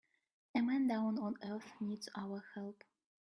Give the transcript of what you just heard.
A man down on earth needs our help.